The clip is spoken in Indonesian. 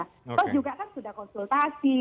kita juga sudah konsultasi